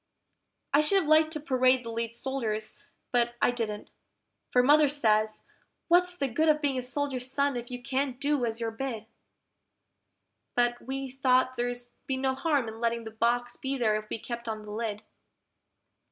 I should have liked to parade the lead soldiers, but I didn't, for Mother says, "What's the good of being a soldier's son if you can't do as you're bid?" But we thought there'd be no harm in letting the box be there if we kept on the lid.